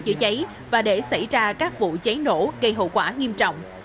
chữa cháy và để xảy ra các vụ cháy nổ gây hậu quả nghiêm trọng